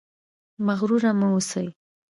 مغرور مه اوسئ